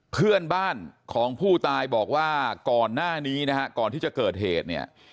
เพื่อนบ้านของผู้ตายบอกว่าก่อนหน้านี้นะฮะก่อนที่จะเกิดเหตุเนี่ย